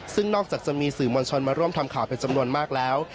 ซึ่งนอกจากจะมีสื่อมวลชนมาร่วมทำข่าวเป็นจำนวนมากแล้ว